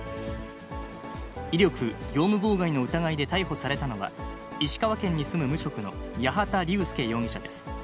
威力業務妨害の疑いで逮捕されたのは、石川県に住む無職の八幡竜輔容疑者です。